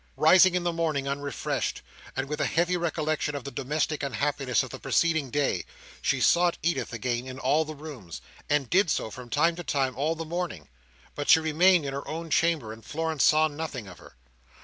Rising in the morning, unrefreshed, and with a heavy recollection of the domestic unhappiness of the preceding day, she sought Edith again in all the rooms, and did so, from time to time, all the morning. But she remained in her own chamber, and Florence saw nothing of her.